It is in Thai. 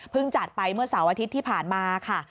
จัดไปเมื่อเสาร์อาทิตย์ที่ผ่านมาค่ะ